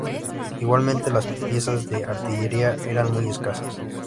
Igualmente, las piezas de artillería eran muy escasas.